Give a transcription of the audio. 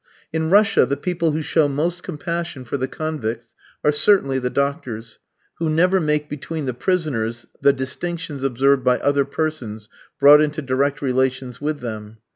In Russia the people who show most compassion for the convicts are certainly the doctors, who never make between the prisoners the distinctions observed by other persons brought into direct relations with them.